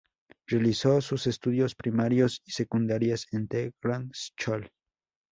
Realizó sus estudios primarios y secundarios en The Grange School.